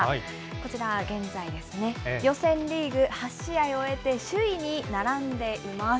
こちら、現在、予選リーグ８試合を終えて首位に並んでいます。